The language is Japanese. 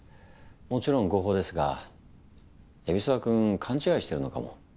もちろん合法ですが蛯沢君勘違いしてるのかも。